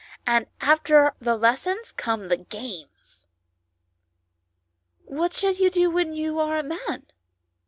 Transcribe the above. "And after the lessons come the games." " What shall you do when you are a man